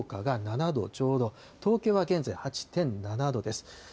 福岡が７度ちょうど、東京は現在８．７度です。